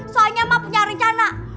soalnya ma punya rencana